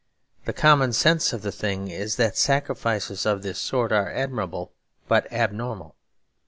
The common sense of the thing is that sacrifices of this sort are admirable but abnormal.